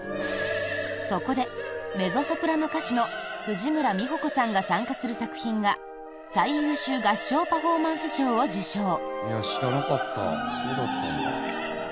そこで、メゾソプラノ歌手の藤村実穂子さんが参加する作品が最優秀合唱パフォーマンス賞を受賞。